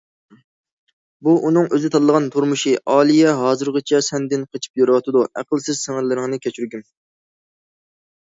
بۇ ئۇنىڭ ئۆزى تاللىغان تۇرمۇشى، ئالىيە ھازىرغىچە سەندىن قېچىپ يۈرۈۋاتىدۇ، ئەقىلسىز سىڭىللىرىڭنى كەچۈرگىن.